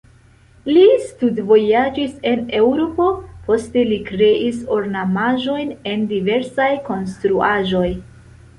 Li studvojaĝis en Eŭropo, poste li kreis ornamaĵojn en diversaj konstruaĵoj.